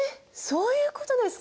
そういうことですか？